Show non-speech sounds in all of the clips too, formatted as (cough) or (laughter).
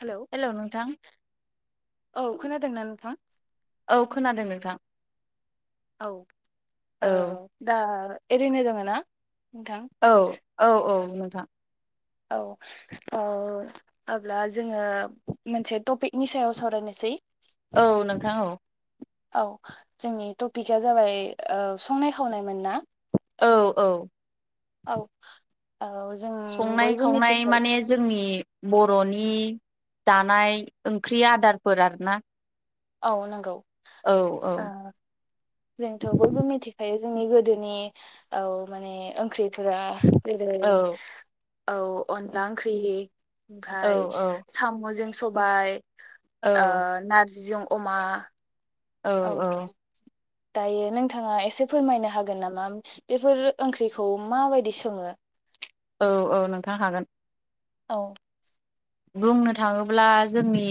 Hello hello नोंथां औ खोनादोंना नोंथां? औ खोनादों नोंथां। औ ओ औ दा ओरैनो दङ ना? नोंथां औ औ औ नोंथां। औ औ अब्ला जोङो मोनसे टपिकनि सायाव सावरायनोसै। औ नोंथां औ। औ जोंनि टपिकआ जाबाय संनाय खावनायमोनना? औ औ औ। औ जों संनाय बयबो खावनाय मिथिखायो माने जोंनि बर'नि जानाय ओंख्रि आदारफोर आरोना। औ नंगौ औ ओ जोंथ' बयबो मिथि खायो जोंनि गोदोनि औ माने ओंख्रिफोरा जेरै औ औ अ'नला ओंख्रि औ ओमफाय औ साम'जों सबाय ओ नारजिजों अमा। औ औ। दायो नोंथाङा एसे फोरमायनो हागोन नामा बेफोर ओंख्रिखौ माबायदि सङो? औ औ नोंथां हागोन। औ। बुंनो थाङोब्ला जोंनि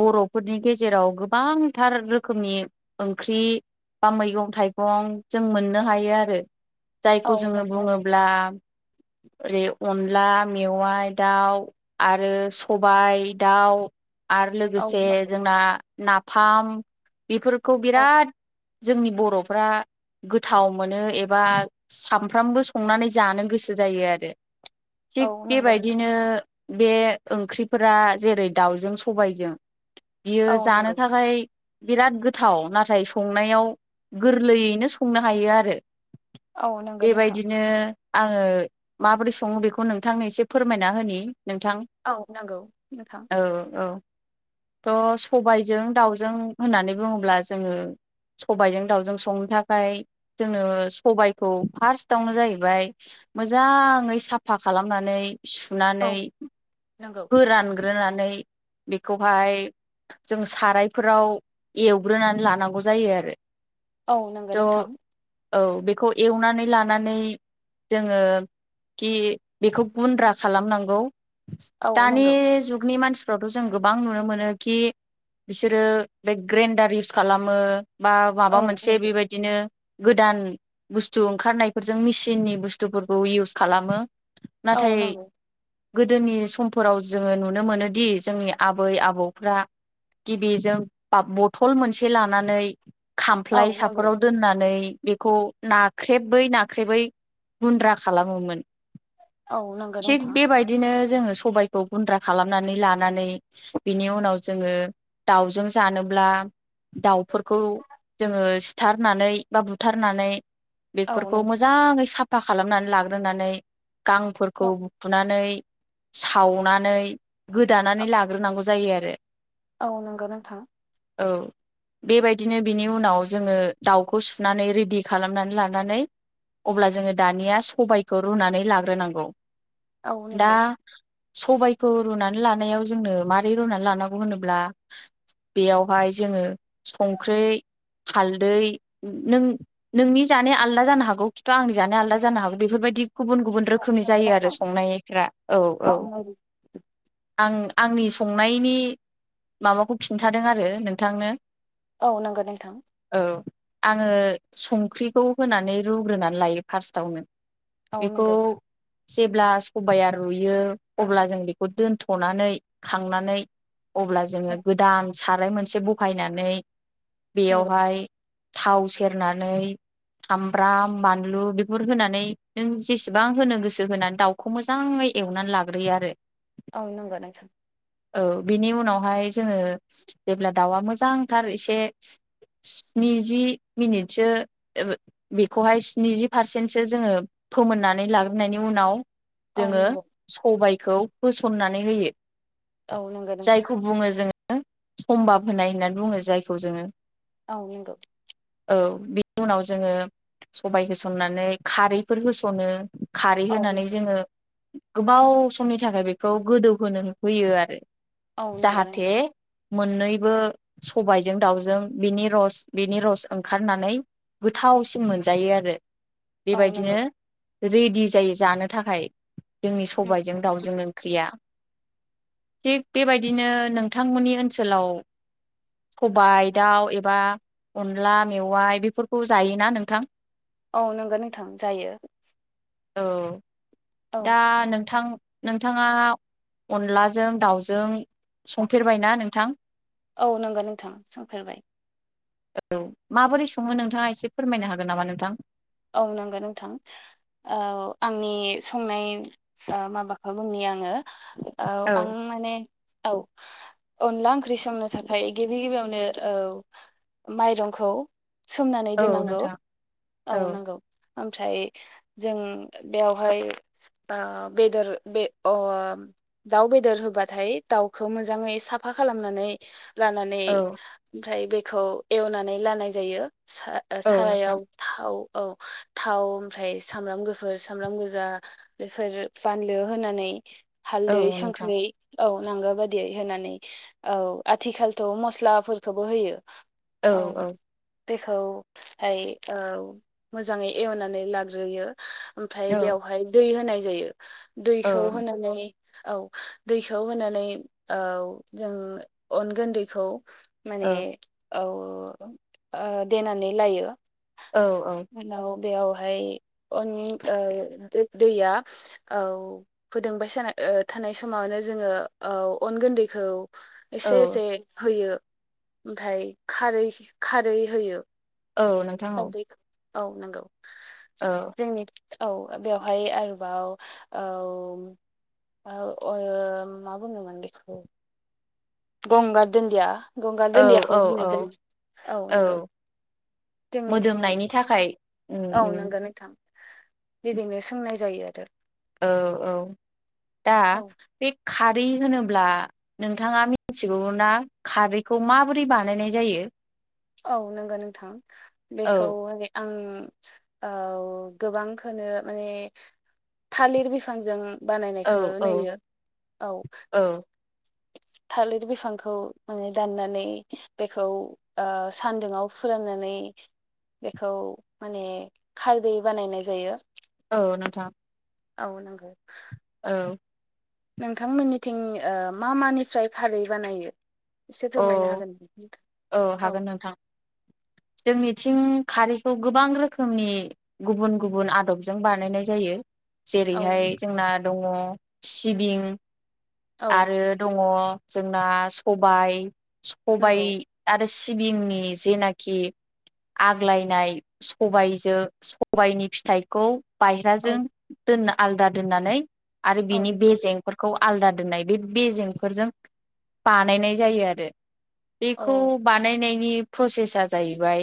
बर'फोरनि गेजेराव गोबांथार रोखोमनि ओंख्रि बा मैगं थाइगं जों मोननो हायो आरो। औ जायखौ जोङो नोंथां बुङोब्ला ओरै अ'न ला मेवाइ दाउ आरो सबाय दाउ। आरो औ लोगोसे नंगौ जोंना नाफाम बेफोरखौ औ बिराद जोंनि बर'फ्रा गोथाव मोनो एबा सामफ्रामबो संनानै जानो गोसो जायो आरो। थिग औ नंगौ नोंथां बेबायदिनो बे ओंख्रिफोरा जेरै दाउजों सबायजों बियो औ जानो नंगौ थाखाय बिराद गोथाव नाथाय संनायाव गोरलैयैनो संनो हायो आरो। औ नंगौ नोंथां बेबायदिनो आङो माबोरै सङो बेखौ नोंथांनो एसे फोरमायना होनि नोंथां। औ नंगौ नोंथां। त' सबायजों दाउजों होननानै बुङोब्ला जोङो सबायजों दाउजों संनो थाखाय जोङो सबायखौ फार्स्टआवनो जाहैबाय मोजाङै साफा खालामनानै औ सुनानै नंगौ फोरानग्रोनानै बेखौहाय जों सारायफोराव एवग्रोनानै लानांगौ जायो आरो। औ नंगौ थ' नोंथां। औ बेखौ एवनानै लानानै जोङो खि बेखौ गुन्द्रा खालामनांगौ। औ दानि नंगौ जुगनि मानसि फोराथ' जों गोबां नुनो मोनो खि बिसोरो बे ग्रेन्डार इउस खालामो बा औ माबा मोनसे बेबायदिनो गोदान बुस्थु ओंखारनायफोरजों मेसिननि बुस्थुफोरखौ इउस खालामो। औ नाथाय नांगौ। गोदोनि समफोराव जोङो नुनो मोनोदि जोंनि आबै आबौफ्रा गिबिजों बा बथल मोनसे लानानै औ खामफ्लाय नंगौ औ नंगौ साफोराव दोननानै बेखौ नाख्रेबै नाख्रेबै गुन्द्रा खालामोमोन। औ नंगौ थिग नोंथां बेबायदिनो जोङो सबाय खौ गुन्द्रा खालामनानै लानानै बिनि उनाव जोङो। दाउजों जानोब्ला दाउफोरखौ जोङो सिथारनानै बा बुथारनानै औ बेफोरखौ नों मोजाङै साफा खालामनानै लाग्रोनानै गांफोरखौ बुफुनानै सावनानै गोदानानै लाग्रोनांगौ जायो आरो। औ नंगौ नोंथां। औ बेबायदिनो बिनि उनाव जोङो दाउखौ सुनानै रेडि खालामनानै लानानै अब्ला जोङो दानिया सबायखौ रुनानै लाग्रोनांगौ औ दा नंगौ सबायाइखौ रुनानै लानायाव जोंनो माबोरै रुनानै लानांगौ होनोब्ला बेयावहाय जोङो संख्रै हालदै नों नोंनि जानाया आलदा जानो हागौ खिन्थु आंनि जानाया आलादा जानो हागौ बेफोरबायदि गुबुन गुबुन रोखोमनि जायो आरो नोंथां संनायफ्रा औ-औ औ नंगौ आं आंनि संनायनि माबाखौ खिन्थादों आरो नोंथांनो। औ नोंगो नोंथां। औ आङो संख्रिखौ होनानै रुग्रोनानै लायो फार्स्टावनो औ बेखौ नंगौ जेब्ला सबाइया रुयो अब्ला जों बेखौ दोनथनानै खांनानै अब्ला जोङो गोदान साराय मोनसे बखायनानै नंगौ बेयावहाय थाव सेरनानै सामब्राम बानलु बेफोर होनानै नों जेसेबां होनो गोसो होनानै दाउखौ मोजाङै एवनानै लाग्रोयो आरो। औ नोंगो नोंथां। औ बिनि उनावहाय जोङो जेब्ला दाउआ मोजांथार एसे स्निजि मिनिटसो बेखौहाय स्निजि पारसेन्टसो जोङो फोमोननानै लाग्रोनायनि उनाव औ जोङो नंगौ। सबायखौ होसननानै होयो। औ नोंगो नोंथां। सम्भाब होनाय होननानै बुङो जायखौ जोङो। औ नोंगौ। औ बिनि उनाव जोङो सबाय होसननानै खारैफोर होसनो। खारै औ होनानै जोङो गोबाव समनि थाखाय बेखौ गोदौहोनो होयो आरो। औ नंगो जाहाथे नोंथां मोननैबो सबायजों दाउजों बिनि रस बिनि रस ओंखारनानै गोथावसिन मोनजायो आरो औ बेबायदिनो नंगौ रेडि जायो जानो थाखाय जोंनि सबायजों दाउजों ओंख्रिया थिग बेबायदिनो नोंथांमोननि ओनसोलाव सबाय दाउ एबा अनला मेवाय बेफोरखौ जायोना नोंथां? औ नंगौ नोंथां जायो औ औ दा नोंथां नोंथाङा अनलाजों दाउजों संफेरबायना नोंथां? औ नंगौ नोंथां संफेरबाय औ माबोरै सङो नोंथाङा एसे फोरमायनो हागोन नामा नोंथां? औ नंगौ नोंथां औ आंनि संनाय ओ माबाखौ बुंनि आङो औ आं माने औ अनला ओंख्रि संनो थाखाय गिबि गिबियावनो औ माइरंखौ सोमनानै औ दोनांगौ नोंथां औ नांगौ ओमफ्राय जों बेवहाय ओ बेदर बे अ दाउ बेदर होबाथाय दाउखौ मोजाङै साफा खालामनानै लानानै औ ओमफ्राय बेखौ एवनानै लानाय जायो औ नोंथां सा-सारायाव थाव औ थाव ओमफ्राय सामब्राम गुफुर सामब्राम गोजा बेफोर बानलु होनानै औ हालदै नोंथां संख्रै औ नांगौ बादियै होनानै औ आथिखालथ' मस्लाफोरखौबो होयो औ औ बेखौ हाय औ मोजाङै एवनानै लाग्रोयो ओमफ्राय औ बेवहाय दै होनाय जायो औ दैखौ नोंथां होनानै औ दैखौ होनानै औ जों अनगोन गन्दैखौ माने औ औ ओ देनानै लायो औ औ उनाव बेयावहाय अन ओ दैया औ फोदुंबाय साना ओ थानाय समावनो जोङो औ अन गुन्दैखौ एसे औ एसे होयो ओमफ्राय खारै खारै होयो औ नोंथां औ हालदैखौ औ नंगौ औ जोंनि औ बेवहाय आरोबाव औ औ ओ मा बुंङोमोन बेखौ गंगार दुन्दिया गंगार औ औ दुन्दियाखौ होनोय औ जायो। औ नंगौ जोंनिथिं मोदोमनायनि थाखाय उम औ उम नंगो नोंथां बिदिनो सोंनाय जायो आरो ओ औ दा औ बे खारै होनोब्ला नोंथाङा मिथिगौ ना खारैखौ माबोरै बानायनाय जायो? औ नंगो नोंथां बेखौ औ रै आं औ गोबांखोनो माने थालिर बिफांजों औ बानायनायखौ औ नुयो औ औ (inaudible) थालिर बिफांखौ माने दाननानै बेखौ ओ सान्दुंआव फुराननानै बेखौ माने खारदै बानायनाय जायो औ नोंथां औ नंगो औ नोंथांमोननिथिं ओ मा मानिफ्राय खारै बानायो? एसे अ फोरमायनो हागोन नोंथां? औ हागोन नोंथां जोंनि थिं खारैखौ गोबां रोखोमनि गुबुन गुबुन आदबजों बानायनाय जायो। औ जेरैहाय जोंना दङ सिबिं औ आरो दङ जोंना सबाय, सबाय नंगौ आरो सि बिंनि जेनाखि आग्लायनाय सबायजो सबाइनि फिथाइखौ औ बायह्राजों दोनना आलादा दोननानै आरो औ बिनि नंगौ बेेजेंफोरखौ आलादा दोननाय बे बेेजेंफोरजों बानायनाय जायो आरो। औ बेखौ बानायनायनि प्रसेसा जाहैबाय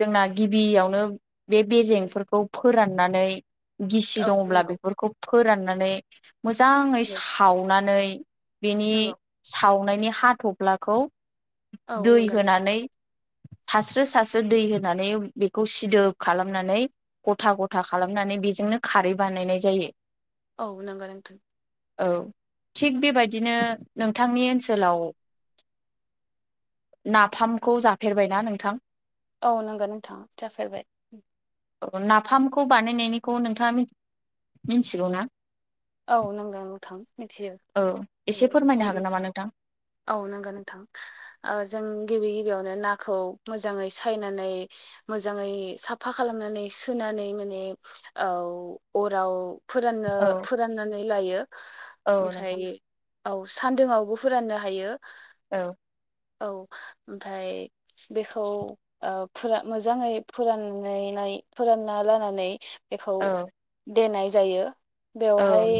जोंना गिबियावनो बे बेेजेंफोरखौ फोराननानै गिसि औ दङब्ला नंगौ बेफोरखौ फोराननानै मोजाङै नंगौ सावनानै बेनि नंगौ सावनायनि हाथ'फ्लाखौ औ दै नंगौ नों होनानै सास्रो-सास्रो दै होनानै बेखौ सिदोब खालामनानै गथा-गथा खालामनानै बेजोंनो खारै बानायनाय जायो। औ नंगौ नोंथां औ थिग बेबायदिनो नोंथांनि ओनसोलाव नाफामखौ जाफेरबायना नोंथां? औ नंगौ नोंथां जाफेरबाय औ नाफामखौ बानायनायनिखौ नोंथाङा मिथि मिथिगौ ना औ नोंगौ नोंथां मिथियो औ एसे फोरमायनो जों हागोन नामा नोंथां औ नंगौ नोंथां ओ जों गिबि गिबियावनो नाखौ मोजाङै सायनानै, मोजाङै साफा खालामनानै सुनानै नानै माने औ अराव फोराननो औ फोराननानै लायो, औ ओमफ्राय नोंथां औ सान्दुंङावबो फोराननो हायो औ औ ओमफ्राय बेखौ ओ मोजाङै फुरानानै फोरानना लानानै बेखौ औ देनाय जायो, औ बेवहाय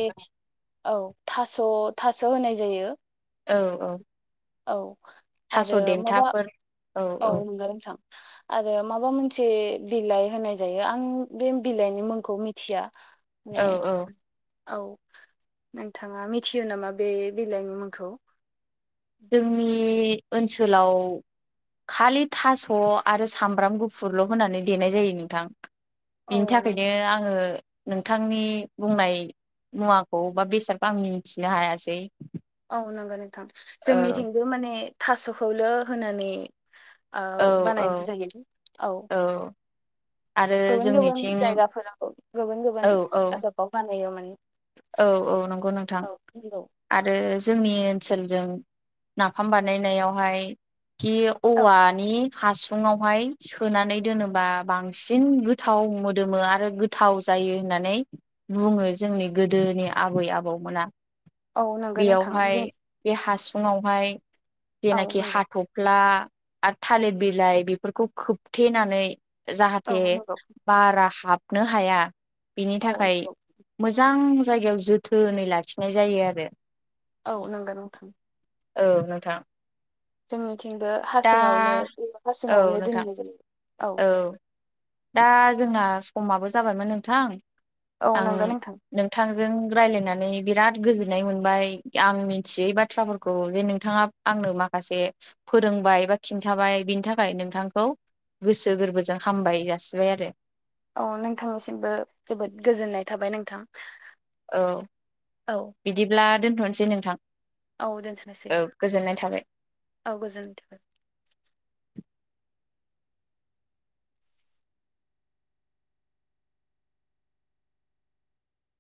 औ थास' थास' होनाय जायो, औ औ औ थास' आरो माबा देन्थाफोर औ नंगौ नोंथां आरो माबा मोनसे बिलाइ होनाय जायो, आं बे बिलाइनि मुंखौ मिथिया औ औ (inaudible) औ नोंथाङा मिथियो नामा बे बिलाइनि मुंखौ? जोंनि ओनसोलाव खालि थास' आरो सामब्राम गुफुरल' होनानै देनाय जायो नोंथां। औ बिनि नंगौ थाखायनो आङो नोंथांनि बुंनाय मुवाखौ बा बेसादखौ आं मिथिनो हायासै। औ नंगौ नोंथां औ जोंनिथिंबो माने थास'खौल' होनानै औ बानायनाय जायो औ आरो गुबुन-गुबुन जोंनिथिं जायगाफोराव औ गुबुन-गुबुन औ आदबाव बानायो माने औ औ नंगौ नोंथां औ नंगौ आरो जोंनि ओनसोलजों नाफाम बानायनायावहाय खि औ औवानि हासुुंआवहाय सोनानै दोनोबा बांसिन गोथाव मोदोमो आरो गोथाव जायो जायो होननानै बुङो जोंनि गोदोनि आबै आबौमोना औ नंगौ नोंथां बेयावहाय जों बे हासुुंआवहाय औ जेनाखि नंगौ हाथ'फ्ला आरो थालिर बिलाइ बेफोरखौ खोबथेनानै औ जाहाथे नंगौ बारा हाबनो हाया बिनि औ थाखाय नंगौ मोजां जायगायाव जोथोनै लाखिनाय जायो आरो। औ नांगोन नोंथां। औ नोंथां। जोंनिथिंबो दा हासिङावनो औ हासिङावनो नोंथां दोनबाय जायो। औ दा जोंना समाबो जाबायमोन नोंथां। औ आं नंगौ नोंथां जों रायज्लायनानै बिराद गोजोन्नाय मोनबाय आं मिथियै बाथ्राफोरखौ जे नोंथाङां आंनो माखासे फोरोंबाय बा खिन्थाबाय बिनि थाखाय नोंथांखौ गोसो गोरबोजों हामबाय जासिबाय आरो। औ नोंथांनिसिमबो जोबोद गोजोननाय थाबाय नोंथां। औ औ बिदिब्ला दोनथ'नोसै नोंथां। औ दोनथ'नोसै औ गोजोननाय थाबाय औ गोजोन